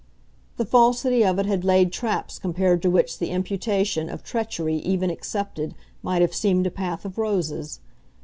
The falsity of it had laid traps compared to which the imputation of treachery even accepted might have seemed a path of roses.